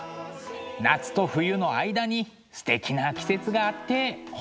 夏と冬の間にすてきな季節があって本当によかった。